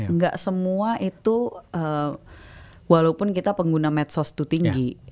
nggak semua itu walaupun kita pengguna medsos itu tinggi